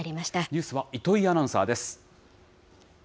ニュースは糸井アナウンサーです。